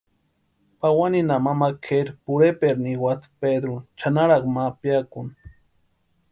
Pawaninha mama kʼeri Pureperu niwati Pedruni chʼanarakwa ma piakuni.